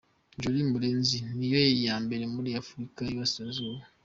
Jolie Murenzi: Niyo ya mbere muri Afurika y’i Burasirazuba.